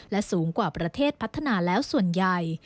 และสูงกว่าประเทศพัฒนาแล้วส่วนใหญ่